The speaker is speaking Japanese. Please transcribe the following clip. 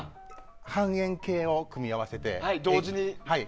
半円形を組み合わせて。